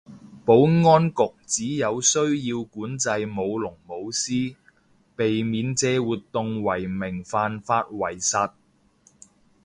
保安局指有需要管制舞龍舞獅，避免借活動為名犯法為實